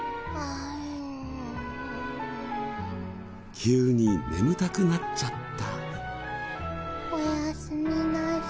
急に眠たくなっちゃった。